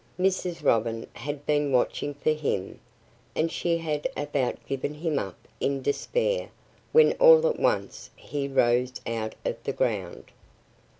Mrs. Robin had been watching for him. And she had about given him up in despair when all at once he rose out of the ground.